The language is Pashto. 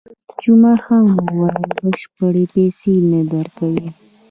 جمعه خان وویل، بشپړې پیسې نه درکوي.